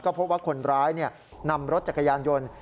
พบว่าคนร้ายนำรถจักรยานยนต์